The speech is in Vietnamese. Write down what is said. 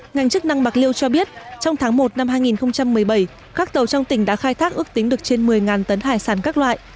ngành chức năng bạc liêu cho biết trong tháng một năm hai nghìn một mươi bảy các tàu trong tỉnh đã khai thác ước tính được trên một mươi tấn hải sản các loại